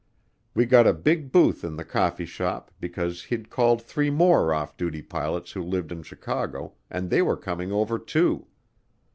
We got a big booth in the coffee shop because he'd called three more off duty pilots who lived in Chicago and they were coming over too.